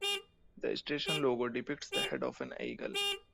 The station logo depicts the head of an eagle.